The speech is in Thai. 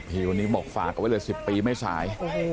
อ๋อพี่วันนี้หมอกฝากกับไว้เลย๑๐ปีไม่สาย